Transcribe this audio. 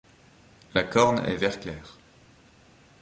La corne est vert clair.